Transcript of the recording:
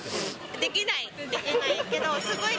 できない。